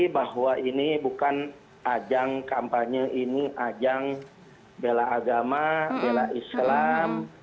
bahwa ini bukan ajang kampanye ini ajang bela agama bela islam